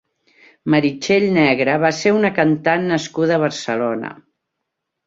Meritxell Negre va ser una cantant nascuda a Barcelona.